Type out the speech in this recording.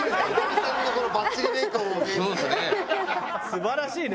「」素晴らしいね。